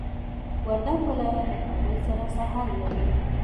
وردګ ولايت د کابل سره سرحد لري.